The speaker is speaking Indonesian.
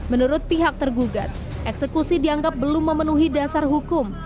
menurut pihak tergugat eksekusi dianggap belum memenuhi dasar hukum